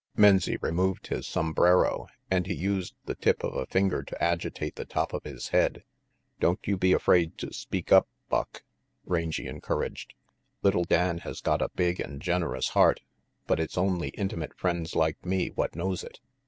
Menzie removed his sombrero, and he used the tip of a finger to agitate the top of his head. "Don't you be afraid to speak up, Buck," Rangy encouraged. "Little Dan has got a big and generous heart, but it's only intimate friends like me what knows it.